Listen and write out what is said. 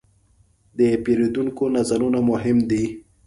د پیرودونکو نظرونه مهم دي.